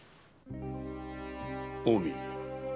近江。